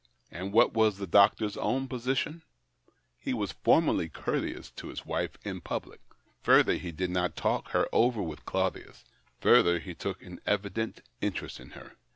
And what was the doctor's own position ? He was formally courteous to his wife in public ; further, he did not talk her over with Claudius ; further, he took an evident interest in her.